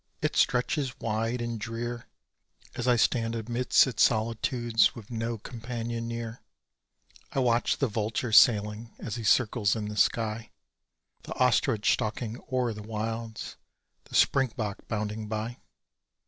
It stretches wide and drear, As I stand amidst its solitudes with no companion near: I watch the vulture sailing as he circles in the sky, The ostrich stalking o'er the wilds the springbok bounding by.